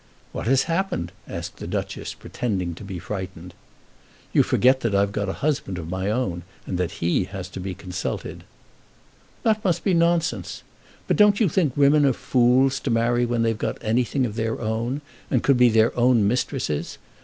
"What has happened?" asked the Duchess, pretending to be frightened. "You forget that I've got a husband of my own, and that he has to be consulted." "That must be nonsense. But don't you think women are fools to marry when they've got anything of their own, and could be their own mistresses?